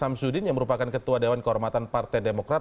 samsudin yang merupakan ketua dewan kehormatan partai demokrat